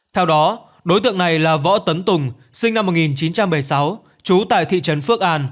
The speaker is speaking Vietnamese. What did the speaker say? theo đó đối tượng này là võ tấn tùng sinh năm một nghìn chín trăm bảy mươi sáu trú tại thị trấn phước an